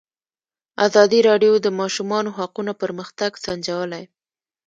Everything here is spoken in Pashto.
ازادي راډیو د د ماشومانو حقونه پرمختګ سنجولی.